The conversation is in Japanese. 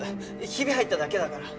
ヒビ入っただけだから。